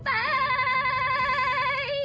ไป